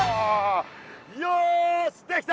よしできた！